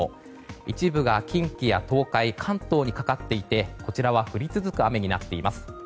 一部が近畿や東海関東にかかっていてこちらは降り続く雨になっています。